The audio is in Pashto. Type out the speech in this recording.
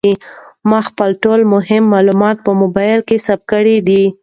ما خپل ټول مهم معلومات په موبایل کې ثبت کړي دي.